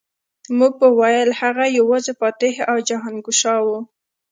مور به ویل هغه یوازې فاتح او جهانګشا و